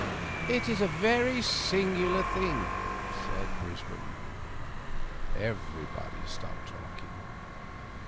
^^It is a very singular thing," said Brisbane. Everybody stopped talking.